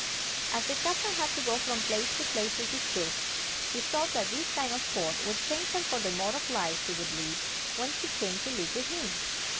As the Captain had to go from place to place with his troops, he thought that this kind of sport would train her for the mode of life she would lead when she came to live with him.